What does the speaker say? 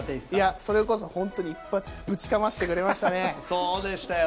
それこそ本当に一発ぶちかまそうでしたよね。